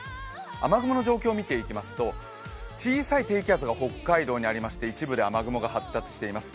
雨雲の状況を見ていきますと小さい低気圧が北海道にありまして、一部で雨雲が発達しています。